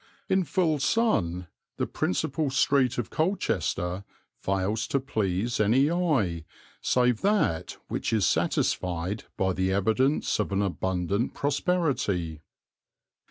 In full sun the principal street of Colchester fails to please any eye save that which is satisfied by the evidence of an abundant prosperity.